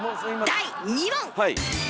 第２問！